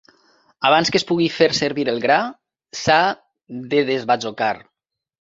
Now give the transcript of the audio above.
Abans que es pugui fer servir el gra, s'ha de desbajocar.